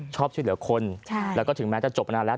ชอบช่วยเหลือคนแล้วก็ถึงแม้จะจบมานานแล้ว